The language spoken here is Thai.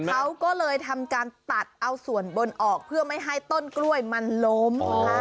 เขาก็เลยทำการตัดเอาส่วนบนออกเพื่อไม่ให้ต้นกล้วยมันล้ม